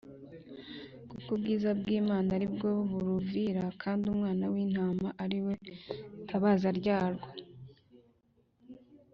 kuko ubwiza bw’Imana ari bwo buruvira kandi Umwana w’Intama ari we tabaza ryarwo.